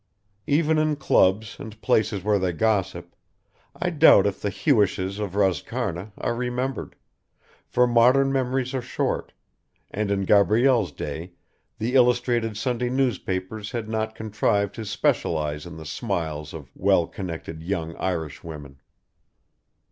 Even in clubs and places where they gossip, I doubt if the Hewishes of Roscarna are remembered, for modern memories are short, and in Gabrielle's day the illustrated Sunday newspapers had not contrived to specialise in the smiles of well connected young Irishwomen.